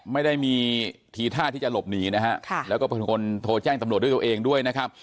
ไม่ได้มีทีท่าที่จะหลบหนีนะฮะแล้วก็เป็นคนโทรแจ้งตำรวจด้วยตัวเองด้วยนะครับ